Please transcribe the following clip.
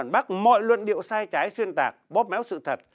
bác mọi luận điệu sai trái xuyên tạc bóp méo sự thật